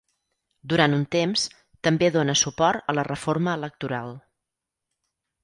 Durant un temps, també dóna suport a la reforma electoral.